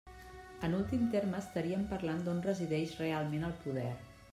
En últim terme estaríem parlant d'on resideix realment el poder.